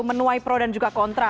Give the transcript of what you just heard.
menuai pro dan juga kontra